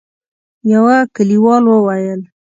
يوه کليوال وويل: